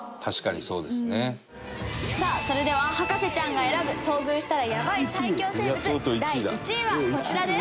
さあそれでは博士ちゃんが選ぶ遭遇したらヤバい最恐生物第１位はこちらです。